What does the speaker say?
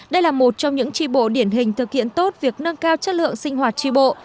đây là một trong những tri bộ điển hình thực hiện tốt việc nâng cao chất lượng sinh hoạt tri bộ